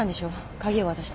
鍵を渡して。